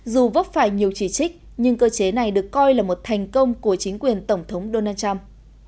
dù vấp phải nhiều chỉ trích nhưng cơ chế này được coi là một thành công của chính quyền tổng thống donald trump